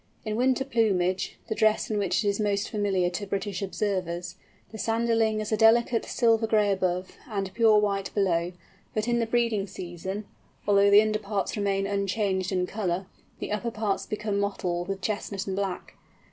In winter plumage—the dress in which it is most familiar to British observers—the Sanderling is a delicate silvery gray above and pure white below; but in the breeding season, although the underparts remain unchanged in colour, the upper parts become mottled with chestnut and black.